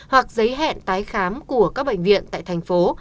hoặc giấy hẹn tái khám của các bệnh viện tại thành phố